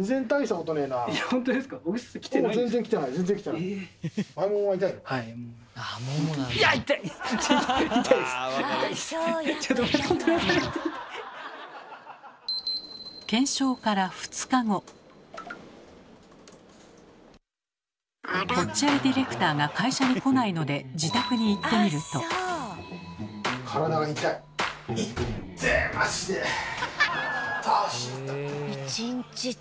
ぽっちゃりディレクターが会社に来ないので１日違う。